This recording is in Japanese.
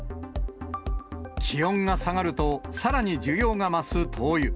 気温が下がると、さらに需要が増す灯油。